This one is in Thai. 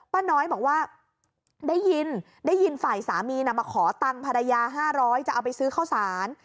ป้าน้อยบอกว่าได้ยินได้ยินฝ่ายสามีมาขอตังค์ภรรยา๕๐๐จะเอาไปซื้อข้าวสาร